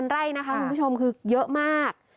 ไร่นะคะคุณผู้ชมคือเยอะมาก